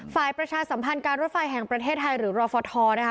ฝ่ายประชาสัมพันธ์การรถไฟแห่งประเทศไทยหรือรอฟทนะคะ